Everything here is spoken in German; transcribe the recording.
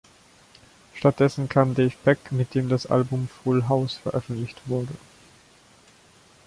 Stattdessen kam Dave Pegg, mit dem das Album "Full House" veröffentlicht wurde.